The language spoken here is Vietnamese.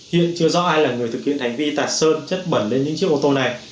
hiện chưa rõ ai là người thực hiện hành vi tạt sơn chất bẩn lên những chiếc ô tô này